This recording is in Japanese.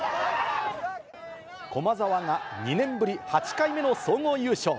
駒澤が２年ぶり８回目の総合優勝。